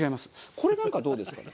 これなんかどうですかね？